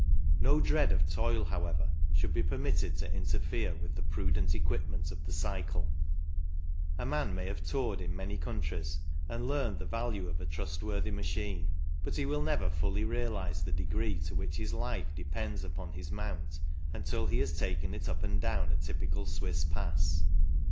No dread of toil, however, should be permitted to interfere with the prudent equipment of the cycle. A man may have toured in many countries, and learned the value of a trustworthy machine ; but he will never fully realize the degree to which 221 222 CYCLING IN THE ALPS his life depends upon his mount until he has taken it up and down a typical Swiss pass.